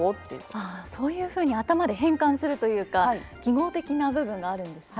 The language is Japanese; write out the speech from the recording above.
ああそういうふうに頭で変換するというか機能的な部分があるんですね。